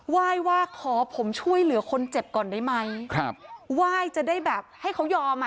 ไหว้ว่าขอผมช่วยเหลือคนเจ็บก่อนได้ไหมครับไหว้จะได้แบบให้เขายอมอ่ะ